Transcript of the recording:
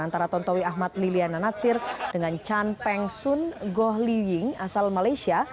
antara tontowi ahmad liliana natsir dengan chan peng sun goh liwing asal malaysia